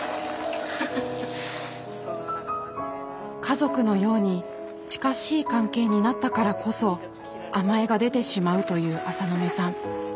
家族のように近しい関係になったからこそ甘えが出てしまうという浅野目さん。